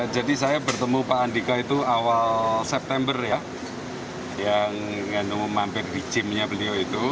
jadi saya bertemu pak andika itu awal september ya yang memampir di gymnya beliau itu